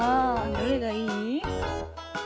どれがいい？